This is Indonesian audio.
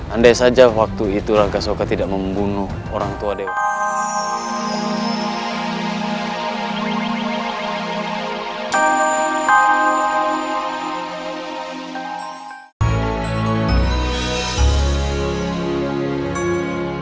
andai saja waktu itu rangga soka tidak membunuh orang tua dewan daru